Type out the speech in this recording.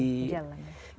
ya allah selamat hidup kami